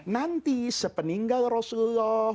nanti sepeninggal rasulullah